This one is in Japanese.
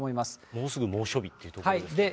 もうすぐ猛暑日ってところですね。